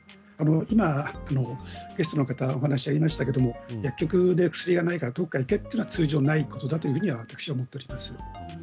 今ゲストの方お話ありましたが薬局で薬がないからどこかに行けというのは通常ないことだと私は思っています。